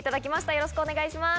よろしくお願いします。